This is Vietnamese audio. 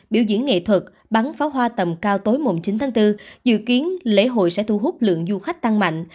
biểu diễn nghệ thuật bắn pháo hoa tầm cao tối mùng chín tháng bốn dự kiến lễ hội sẽ thu hút lượng du khách tăng mạnh